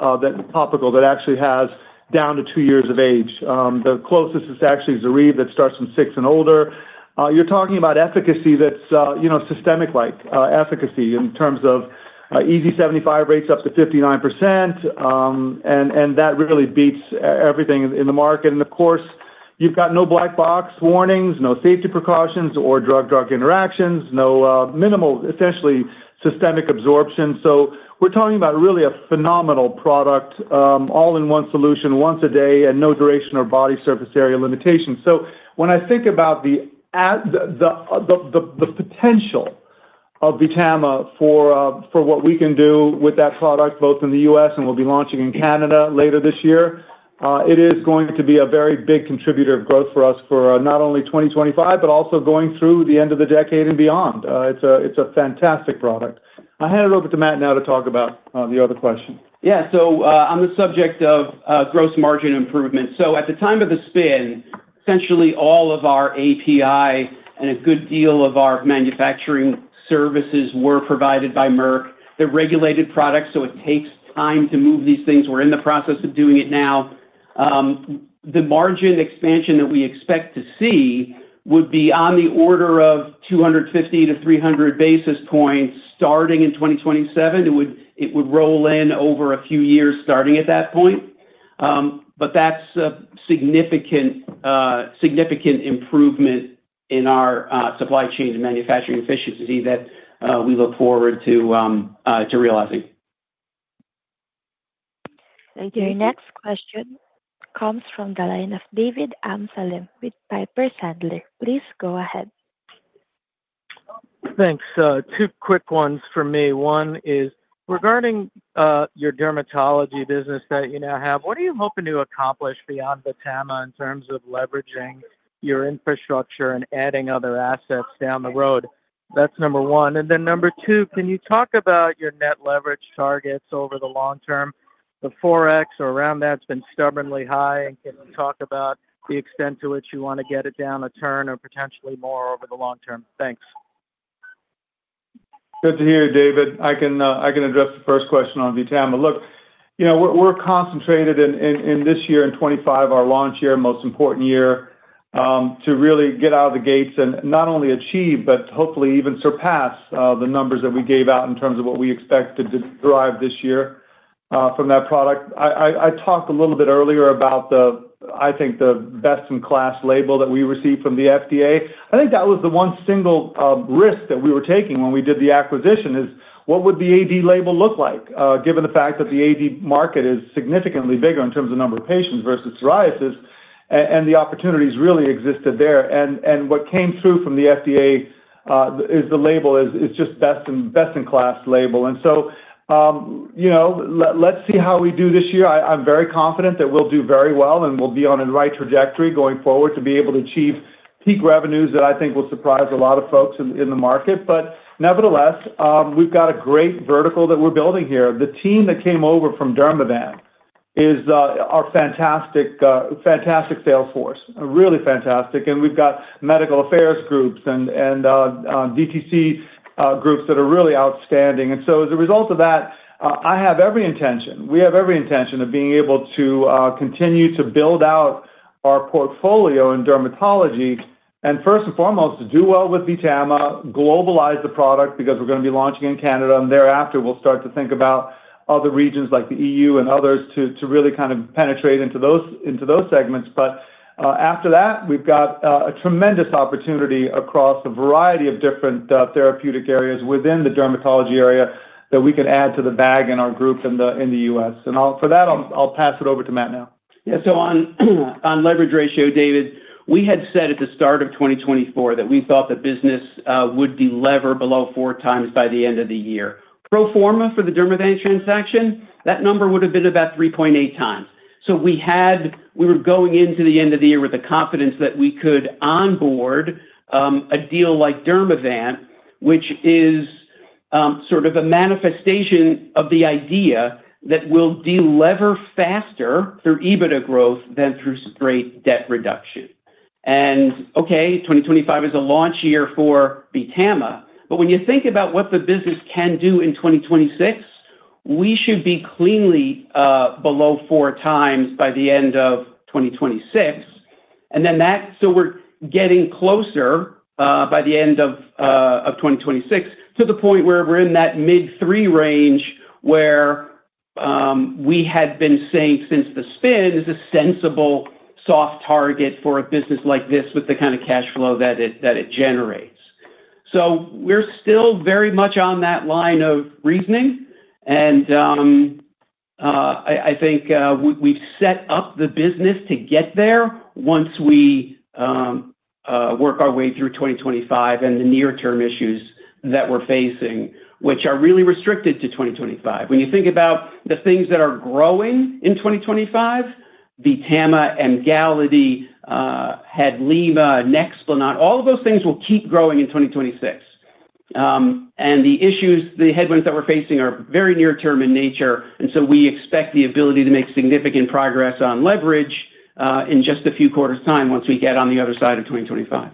topical that actually has down to two years of age. The closest is actually Zoryve that starts from six and older. You're talking about efficacy that's systemic-like efficacy in terms of EASI-75 rates up to 59%, and that really beats everything in the market. And of course, you've got no black box warnings, no safety precautions, or drug-drug interactions, no minimal, essentially, systemic absorption. So we're talking about really a phenomenal product, all-in-one solution once a day and no duration or body surface area limitation. So when I think about the potential of Vtama for what we can do with that product, both in the U.S. and we'll be launching in Canada later this year, it is going to be a very big contributor of growth for us for not only 2025, but also going through the end of the decade and beyond. It's a fantastic product. I'll hand it over to Matt now to talk about the other question. Yeah. So on the subject of gross margin improvement, so at the time of the spin, essentially all of our API and a good deal of our manufacturing services were provided by Merck. They're regulated products, so it takes time to move these things. We're in the process of doing it now. The margin expansion that we expect to see would be on the order of 250-300 basis points starting in 2027. It would roll in over a few years starting at that point. But that's a significant improvement in our supply chain and manufacturing efficiency that we look forward to realizing. Thank you. Your next question comes from the line of David Amsellem with Piper Sandler. Please go ahead. Thanks. Two quick ones for me. One is regarding your dermatology business that you now have, what are you hoping to accomplish beyond Vtama in terms of leveraging your infrastructure and adding other assets down the road? That's number one. And then number two, can you talk about your net leverage targets over the long term? The 4x or around that has been stubbornly high. And can you talk about the extent to which you want to get it down a turn or potentially more over the long term? Thanks. Good to hear you, David. I can address the first question on Vtama. Look, we're concentrated in this year and 2025, our launch year, most important year to really get out of the gates and not only achieve, but hopefully even surpass the numbers that we gave out in terms of what we expect to drive this year from that product. I talked a little bit earlier about, I think, the best-in-class label that we received from the FDA. I think that was the one single risk that we were taking when we did the acquisition is what would the AD label look like, given the fact that the AD market is significantly bigger in terms of number of patients versus psoriasis and the opportunities really existed there, and what came through from the FDA is the label is just best-in-class label, and so let's see how we do this year. I'm very confident that we'll do very well and we'll be on the right trajectory going forward to be able to achieve peak revenues that I think will surprise a lot of folks in the market. But nevertheless, we've got a great vertical that we're building here. The team that came over from Dermavant is our fantastic sales force, really fantastic. And we've got medical affairs groups and DTC groups that are really outstanding. And so as a result of that, I have every intention, we have every intention of being able to continue to build out our portfolio in dermatology and first and foremost, do well with Vtama, globalize the product because we're going to be launching in Canada. And thereafter, we'll start to think about other regions like the EU and others to really kind of penetrate into those segments. But after that, we've got a tremendous opportunity across a variety of different therapeutic areas within the dermatology area that we can add to the bag in our group in the U.S. And for that, I'll pass it over to Matt now. Yeah. So on leverage ratio, David, we had said at the start of 2024 that we thought the business would deliver below four times by the end of the year. Pro forma for the Dermavant transaction, that number would have been about 3.8 times. So we were going into the end of the year with the confidence that we could onboard a deal like Dermavant, which is sort of a manifestation of the idea that we'll deliver faster through EBITDA growth than through straight debt reduction. And okay, 2025 is a launch year for Vtama. But when you think about what the business can do in 2026, we should be cleanly below four times by the end of 2026. And then that's so we're getting closer by the end of 2026 to the point where we're in that mid-three range where we had been saying since the spin is a sensible soft target for a business like this with the kind of cash flow that it generates. So we're still very much on that line of reasoning. And I think we've set up the business to get there once we work our way through 2025 and the near-term issues that we're facing, which are really restricted to 2025. When you think about the things that are growing in 2025, Vtama and Emgality, Hadlima, Nexplanon, all of those things will keep growing in 2026. The issues, the headwinds that we're facing are very near-term in nature. And so we expect the ability to make significant progress on leverage in just a few quarters of time once we get on the other side of 2025.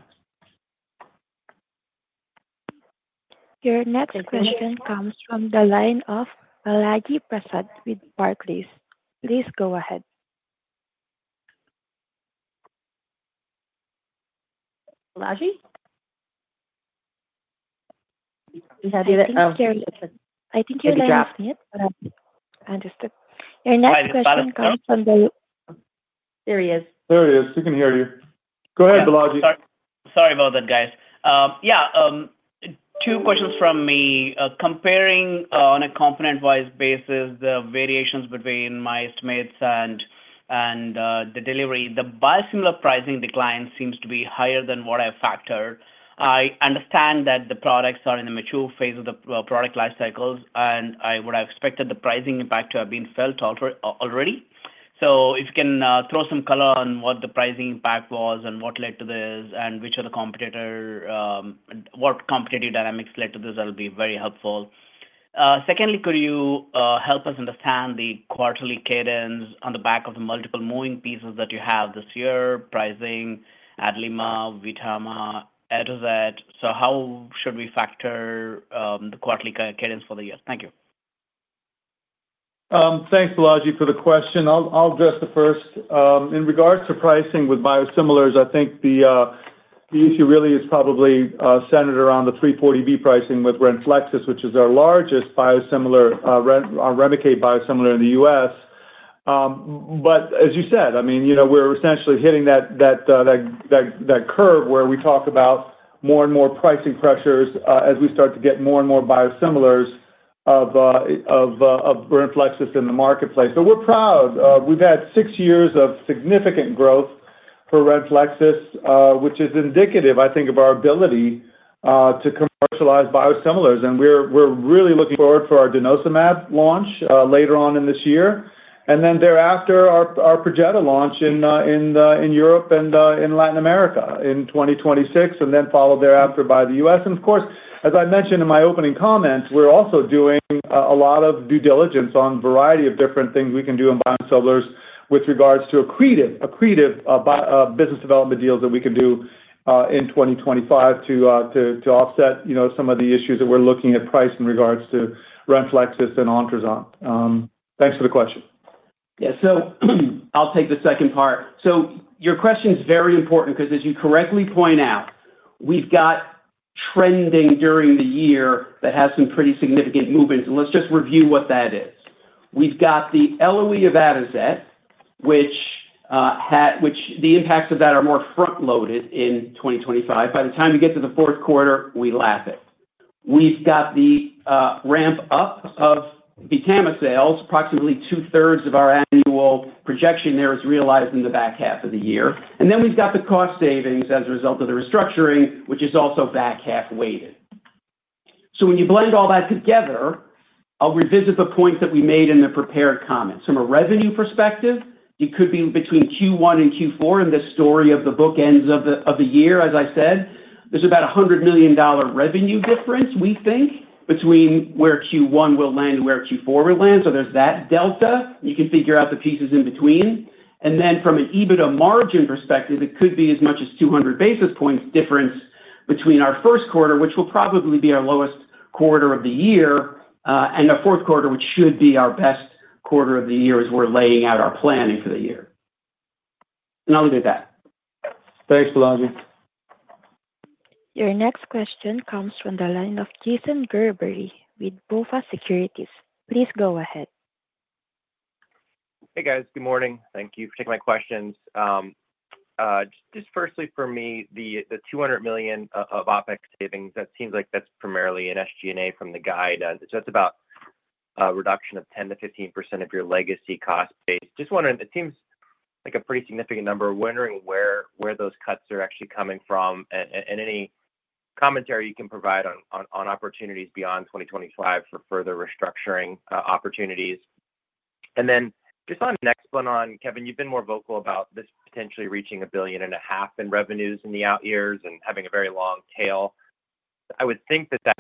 Your next question comes from the line of Balaji Prasad with Barclays. Please go ahead. Balaji? Is that you? I think you're getting it. I understood. Your next question comes from the - there he is. There he is. We can hear you. Go ahead, Balaji. Sorry about that, guys. Yeah. Two questions from me. Comparing on a component-wise basis, the variations between my estimates and the delivery, the biosimilar pricing decline seems to be higher than what I factored. I understand that the products are in the mature phase of the product life cycles, and I would have expected the pricing impact to have been felt already. If you can throw some color on what the pricing impact was and what led to this and which are the competitor, what competitive dynamics led to this, that would be very helpful. Secondly, could you help us understand the quarterly cadence on the back of the multiple moving pieces that you have this year: Pricing, Hadlima, Vtama, Atozet? So how should we factor the quarterly cadence for the year? Thank you. Thanks, Balaji, for the question. I'll address the first. In regards to pricing with Biosimilars, I think the issue really is probably centered around the 340B pricing with Renflexis, which is our largest biosimilar, our Remicade biosimilar in the U.S. But as you said, I mean, we're essentially hitting that curve where we talk about more and more pricing pressures as we start to get more and more biosimilars of Renflexis in the marketplace. But we're proud. We've had six years of significant growth for Renflexis, which is indicative, I think, of our ability to commercialize Biosimilars. And we're really looking forward for our denosumab launch later on in this year. And then thereafter, our Perjeta launch in Europe and in Latin America in 2026, and then followed thereafter by the U.S. And of course, as I mentioned in my opening comments, we're also doing a lot of due diligence on a variety of different things we can do in Biosimilars with regards to accretive business development deals that we can do in 2025 to offset some of the issues that we're looking at price in regards to Renflexis and Ontruzant. Thanks for the question. Yeah. So I'll take the second part. So your question is very important because, as you correctly point out, we've got trending during the year that has some pretty significant movements. Let's just review what that is. We've got the LOE of Atozet, which the impacts of that are more front-loaded in 2025. By the time we get to the fourth quarter, we lap it. We've got the ramp-up of Vtama sales, approximately two-thirds of our annual projection there is realized in the back half of the year. Then we've got the cost savings as a result of the restructuring, which is also back half-weighted. When you blend all that together, I'll revisit the points that we made in the prepared comments. From a revenue perspective, it could be between Q1 and Q4. It's the story of the bookends of the year, as I said. There's about a $100 million revenue difference, we think, between where Q1 will land and where Q4 will land. There's that delta. You can figure out the pieces in between. And then from an EBITDA margin perspective, it could be as much as 200 basis points difference between our first quarter, which will probably be our lowest quarter of the year, and the fourth quarter, which should be our best quarter of the year as we're laying out our planning for the year. And I'll leave it at that. Thanks, Balaji. Your next question comes from the line of Jason Gerberry with BofA Securities. Please go ahead. Hey, guys. Good morning. Thank you for taking my questions. Just firstly, for me, the $200 million of OpEx savings, that seems like that's primarily an SG&A from the guide. So that's about a reduction of 10%-15% of your legacy cost base. Just wondering, it seems like a pretty significant number. Wondering where those cuts are actually coming from and any commentary you can provide on opportunities beyond 2025 for further restructuring opportunities. And then just on Nexplanon, Kevin, you've been more vocal about this potentially reaching $1.5 billion in revenues in the out years and having a very long tail. I would think that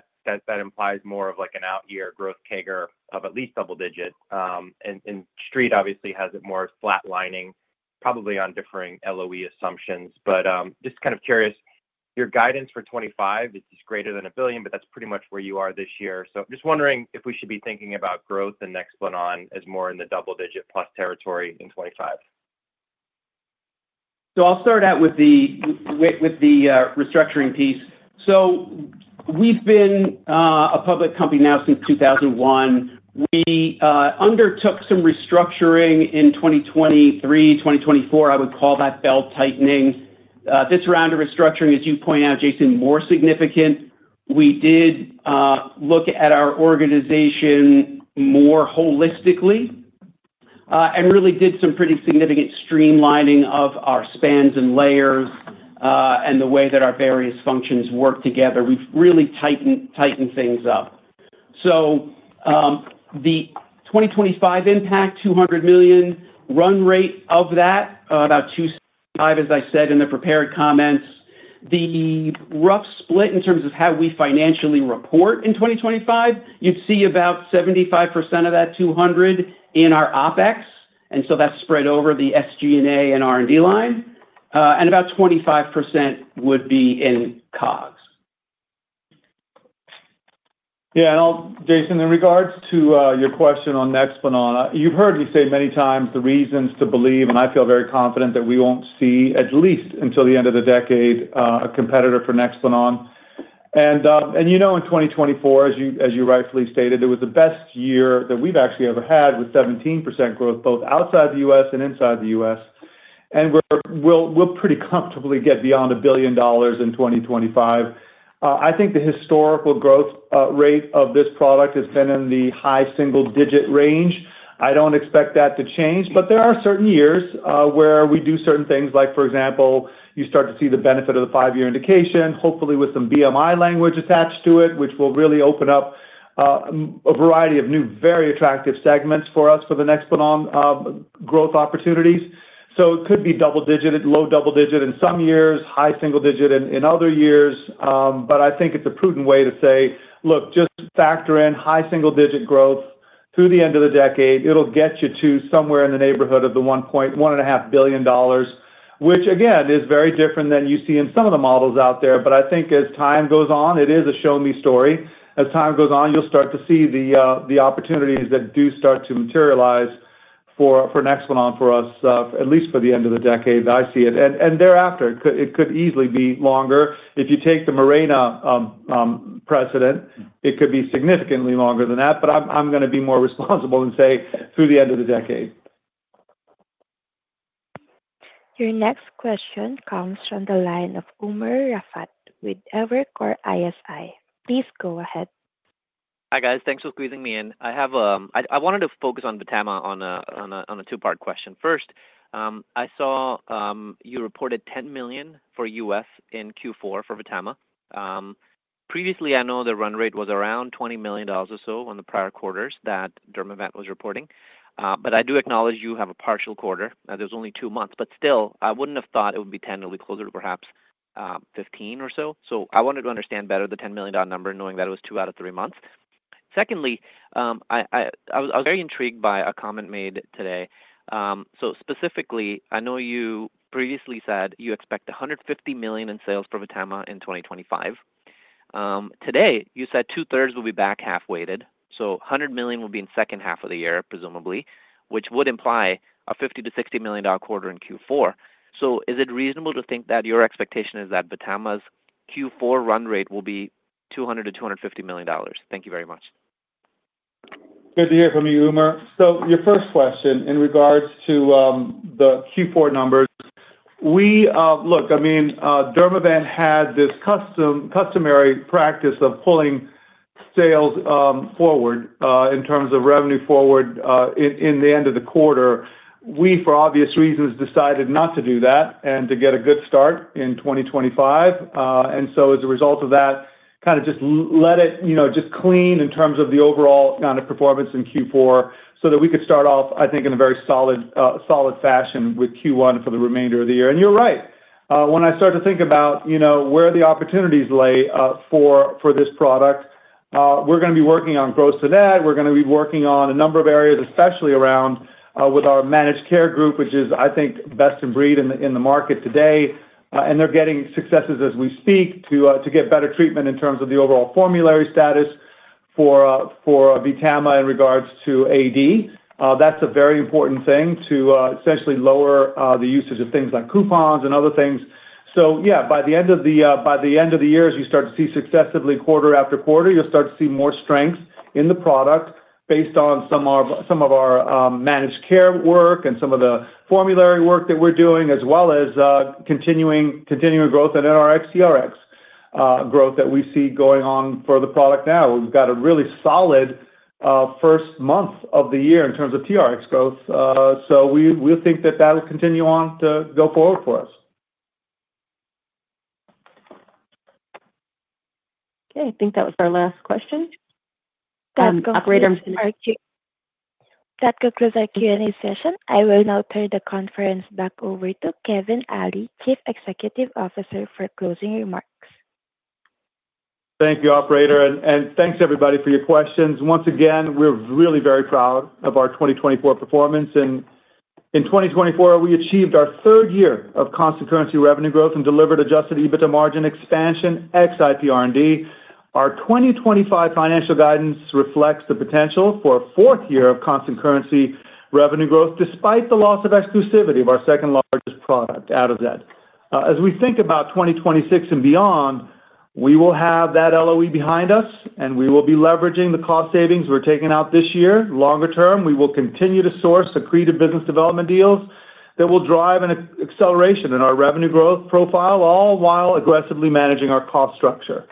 that implies more of an out-year growth CAGR of at least double-digit. And Street, obviously, has it more flatlining, probably on differing LOE assumptions. But just kind of curious, your guidance for 2025 is greater than $1 billion, but that's pretty much where you are this year. So I'm just wondering if we should be thinking about growth in Nexplanon as more in the double-digit plus territory in 2025. So I'll start out with the restructuring piece. So we've been a public company now since 2021. We undertook some restructuring in 2023, 2024. I would call that belt tightening. This round of restructuring, as you point out, Jason, more significant. We did look at our organization more holistically and really did some pretty significant streamlining of our spans and layers and the way that our various functions work together. We've really tightened things up. So the 2025 impact, $200 million run rate of that, about $275 million, as I said in the prepared comments. The rough split in terms of how we financially report in 2025, you'd see about 75% of that $200 million in our OpEx. And so that's spread over the SG&A and R&D line. And about 25% would be in COGS. Yeah. And Jason, in regards to your question on Nexplanon, you've heard me say many times the reasons to believe, and I feel very confident that we won't see, at least until the end of the decade, a competitor for Nexplanon. In 2024, as you rightfully stated, it was the best year that we've actually ever had with 17% growth both outside the U.S. and inside the U.S. We'll pretty comfortably get beyond $1 billion in 2025. I think the historical growth rate of this product has been in the high single-digit range. I don't expect that to change. There are certain years where we do certain things, like, for example, you start to see the benefit of the five-year indication, hopefully with some BMI language attached to it, which will really open up a variety of new, very attractive segments for us for the Nexplanon growth opportunities. It could be double-digit, low double-digit in some years, high single-digit in other years. I think it's a prudent way to say, "Look, just factor in high single-digit growth through the end of the decade. It'll get you to somewhere in the neighborhood of the $1.5 billion, which, again, is very different than you see in some of the models out there. But I think as time goes on, it is a show-me story. As time goes on, you'll start to see the opportunities that do start to materialize for Nexplanon for us, at least for the end of the decade that I see it. And thereafter, it could easily be longer. If you take the Mirena precedent, it could be significantly longer than that. But I'm going to be more responsible and say through the end of the decade. Your next question comes from the line of Umer Raffat with Evercore ISI. Please go ahead. Hi, guys. Thanks for squeezing me in. I wanted to focus on Vtama on a two-part question. First, I saw you reported $10 million for U.S. in Q4 for Vtama. Previously, I know the run rate was around $20 million or so on the prior quarters that Dermavant was reporting. But I do acknowledge you have a partial quarter. There was only two months. But still, I wouldn't have thought it would be 10, it would be closer to perhaps $15 million or so. So I wanted to understand better the $10 million number, knowing that it was two out of three months. Secondly, I was very intrigued by a comment made today. So specifically, I know you previously said you expect $150 million in sales for Vtama in 2025. Today, you said two-thirds will be back half-weighted. So $100 million will be in the second half of the year, presumably, which would imply a $50 million-$60 million quarter in Q4. So is it reasonable to think that your expectation is that Vtama's Q4 run rate will be $200 million-$250 million? Thank you very much. Good to hear from you, Umer. Your first question in regards to the Q4 numbers. Look, I mean, Dermavant had this customary practice of pulling sales forward in terms of revenue forward in the end of the quarter. We, for obvious reasons, decided not to do that and to get a good start in 2025. As a result of that, kind of just let it clean in terms of the overall kind of performance in Q4 so that we could start off, I think, in a very solid fashion with Q1 for the remainder of the year. You're right. When I start to think about where the opportunities lay for this product, we're going to be working on growth to that. We're going to be working on a number of areas, especially around with our managed care group, which is, I think, best in breed in the market today, and they're getting successes as we speak to get better treatment in terms of the overall formulary status for Vtama in regards to AD. That's a very important thing to essentially lower the usage of things like coupons and other things. So, yeah, by the end of the year, as you start to see successively quarter after quarter, you'll start to see more strength in the product based on some of our managed care work and some of the formulary work that we're doing, as well as continuing growth in NRx, TRx growth that we see going on for the product now. We've got a really solid first month of the year in terms of TRx growth. So we'll think that that will continue on to go forward for us. Okay. I think that was our last question. That concludes our Q. That concludes our Q&A session. I will now turn the conference back over to Kevin Ali, Chief Executive Officer, for closing remarks. Thank you, Operator. And thanks, everybody, for your questions. Once again, we're really very proud of our 2024 performance. And in 2024, we achieved our third year of constant currency revenue growth and delivered adjusted EBITDA margin expansion ex-IPR&D. Our 2025 financial guidance reflects the potential for a fourth year of constant currency revenue growth despite the loss of exclusivity of our second-largest product, Atozet. As we think about 2026 and beyond, we will have that LOE behind us, and we will be leveraging the cost savings we're taking out this year. Longer term, we will continue to source accretive business development deals that will drive an acceleration in our revenue growth profile, all while aggressively managing our cost structure.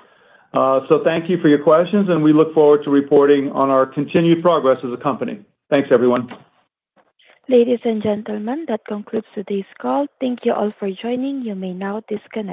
So thank you for your questions, and we look forward to reporting on our continued progress as a company. Thanks, everyone. Ladies and gentlemen, that concludes today's call. Thank you all for joining. You may now disconnect.